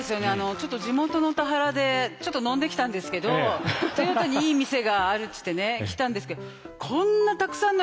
ちょっと地元の田原でちょっと飲んできたんですけど豊田にいい店があるっつってね来たんですけどこんなたくさんの人に見られながら飲むってことですかね？